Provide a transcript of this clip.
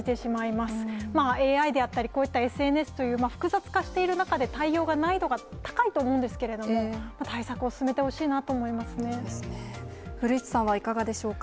まあ、ＡＩであったり、こういったＳＮＳという複雑化している中で、対応が難易度が高いと思うんですけれども、対策を進めてほしいな古市さんはいかがでしょうか。